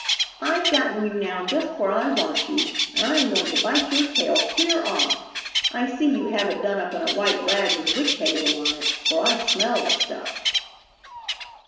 I've gotten you now just where I want you, and I am going to bite your tail clear off! I see you have it done up in a white rag with witch hazel on it, for I smell the stuff."